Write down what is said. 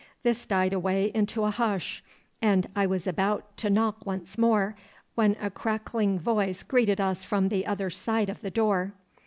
This died away into a hush, and I was about to knock once more when a crackling voice greeted us from the other side of the door.